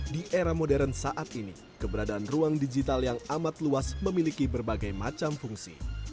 di era modern saat ini keberadaan ruang digital yang amat luas memiliki berbagai macam fungsi